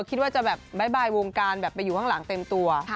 คิดว่าจะแบบบ๊ายวงการแบบไปอยู่ข้างหลังเต็มตัว